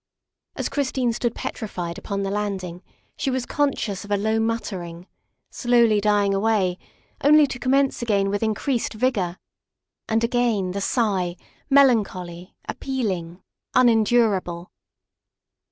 As Christine stood petrified upon the landing she was conscious of a low muttering, slowly dying away, only to commence again with increased vigor. And again the sigh melancholy, appealing, unendurable.